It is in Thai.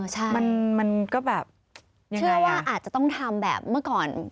ใช่มันก็แบบเชื่อว่าอาจจะต้องทำแบบเมื่อก่อน